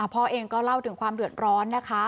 พ่อเองก็เล่าถึงความเดือดร้อนนะคะ